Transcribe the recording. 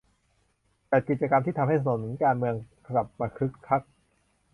จัดกิจกรรมที่ทำให้ถนนกลางเมืองกลับมาคึกคัก